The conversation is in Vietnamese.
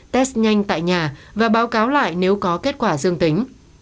test nhanh tại nhà và báo cáo lại nếu có kết quả dương tính